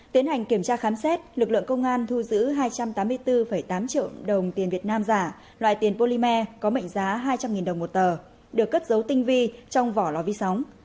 tiến hành kiểm tra khám xét lực lượng công an thu giữ hai trăm tám mươi bốn tám triệu đồng tiền việt nam giả loại tiền polymer có mệnh giá hai trăm linh đồng một tờ được cất dấu tinh vi trong vỏ lò vi sóng